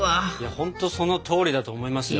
ほんとそのとおりだと思いますよ。